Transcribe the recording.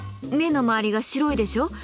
目の周りが白いでしょ。